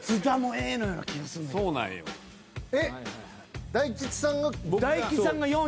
えっ大吉さんが。